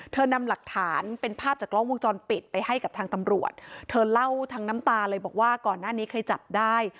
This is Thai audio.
นำหลักฐานเป็นภาพจากกล้องวงจรปิดไปให้กับทางตำรวจเธอเล่าทั้งน้ำตาเลยบอกว่าก่อนหน้านี้เคยจับได้